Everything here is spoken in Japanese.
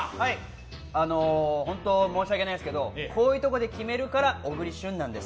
本当に申し訳ないですけれども、こういうところで決めるから小栗旬なんです。